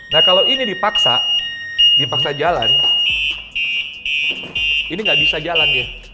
nah kalau ini dipaksa dipaksa jalan ini nggak bisa jalan ya